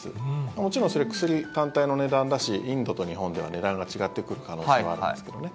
もちろんそれは薬単体の値段だしインドと日本では値段が違ってくる可能性はあるんですけどね。